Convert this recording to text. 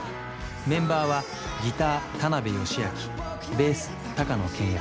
メンバーはギター田辺由明ベース高野賢也